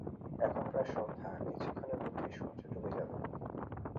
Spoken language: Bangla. এখন প্রায় সন্ধ্যা, কিছুক্ষণের মধ্যেই সূর্য ড়ুবে যাবে।